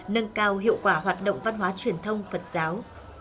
nâng cao hiệu quả hoạt động văn hóa truyền thông phật giáo